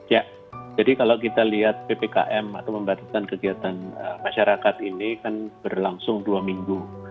ya jadi kalau kita lihat ppkm atau pembatasan kegiatan masyarakat ini kan berlangsung dua minggu